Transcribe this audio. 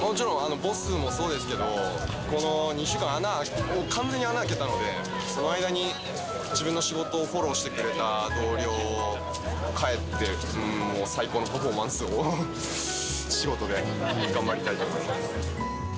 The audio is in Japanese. もちろんボスもそうですけど、この２週間、完全に穴を開けたので、その間に、自分の仕事をフォローしてくれた同僚、帰って最高のパフォーマンスを仕事で頑張りたいと思います。